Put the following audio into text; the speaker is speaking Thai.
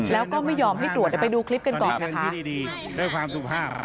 แล้วก็มีสิทธิ์ขอโทษนะคะคุณฟังก่อนได้ไหมคะ